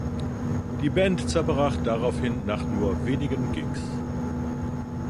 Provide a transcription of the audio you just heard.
Die Band zerbrach daraufhin nach nur wenigen Gigs.